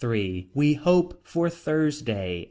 We hope for Thursday.